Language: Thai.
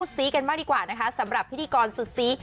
ซีกันมากดีกว่านะคะสำหรับพิธีกรสุดซี